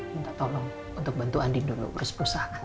minta tolong untuk bantu andin dulu berusaha